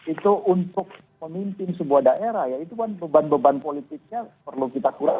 itu untuk memimpin sebuah daerah ya itu kan beban beban politiknya perlu kita kurangi